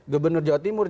gubernur jawa timur